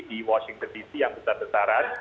di washington dc yang besar besaran